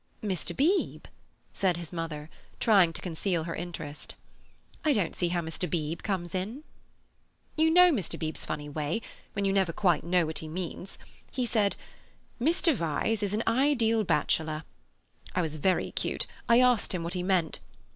"Mr. Beebe?" said his mother, trying to conceal her interest. "I don't see how Mr. Beebe comes in." "You know Mr. Beebe's funny way, when you never quite know what he means. He said: 'Mr. Vyse is an ideal bachelor.' I was very cute, I asked him what he meant.